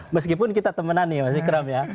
meskipun kita temanan nih mas ikram ya